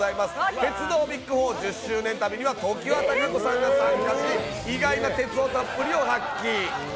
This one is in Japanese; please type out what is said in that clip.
鉄道ＢＩＧ４、１０周年旅には常盤貴子さんが参加し、意外な鉄オタっぷりを発揮。